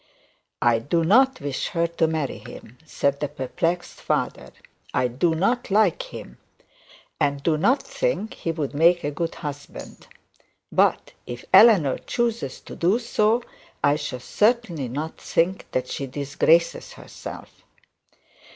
'I do not wish her to marry him,' said the perplexed father; 'I do not like him, and do not think he would make a good husband. But if Eleanor decides to do so, I shall certainly not think that she has disgraced herself.'